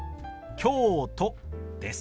「京都」です。